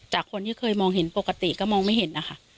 คนที่เคยมองเห็นปกติก็มองไม่เห็นนะคะ